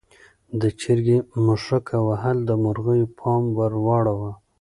د چرګې مښوکه وهل د مرغیو پام ور واړاوه.